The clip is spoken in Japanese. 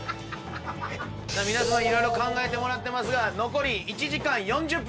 さあ色々考えてもらってますが残り１時間４０分。